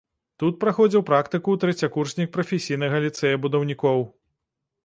Тут праходзіў практыку трэцякурснік прафесійнага ліцэя будаўнікоў.